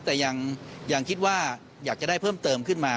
แต่ยังคิดว่าอยากจะได้เพิ่มเติมขึ้นมา